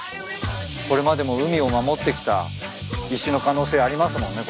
これまでも海を守ってきた石の可能性ありますもんね